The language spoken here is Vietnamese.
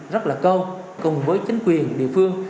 rất là câu cùng với chính quyền địa phương